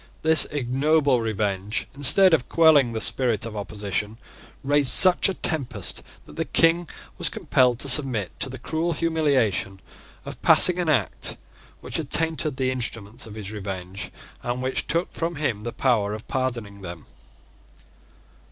This ignoble revenge, instead of quelling the spirit of opposition, raised such a tempest that the King was compelled to submit to the cruel humiliation of passing an act which attainted the instruments of his revenge, and which took from him the power of pardoning them.